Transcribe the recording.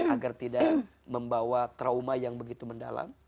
agar tidak membawa trauma yang begitu mendalam